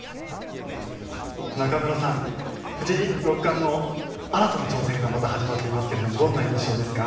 中室さん、藤井六冠の新たな挑戦がまた始まっていますがどんな印象ですか。